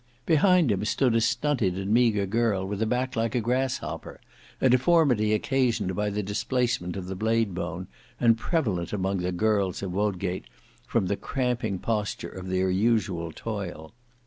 Behind him stood a stunted and meagre girl, with a back like a grasshopper; a deformity occasioned by the displacement of the bladebone, and prevalent among the girls of Wodgate from the cramping posture of their usual toil.